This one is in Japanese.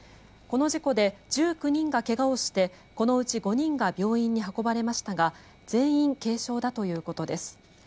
この事故で１９人が怪我をしてこのうち５人が病院に運ばれましたが全員軽傷だということです。